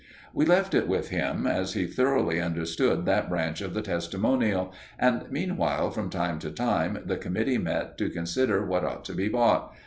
We left it with him, as he thoroughly understood that branch of the testimonial, and meanwhile from time to time the committee met to consider what ought to be bought.